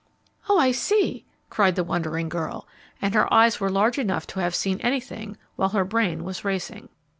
"Oh, I see!" cried the wondering girl, and her eyes were large enough to have seen anything, while her brain was racing.